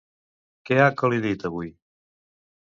Què ha col·lidit avui?